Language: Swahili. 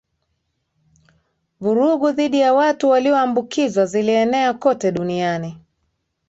vurugu dhidi ya watu waliyoambukizwa zilieneo kote duniani